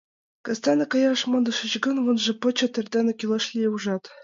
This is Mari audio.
— Кастене каяш мондышыч гын, вожынпочет эрдене кӱлеш лие, ужат?